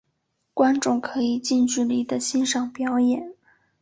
观众可以近距离地欣赏表演。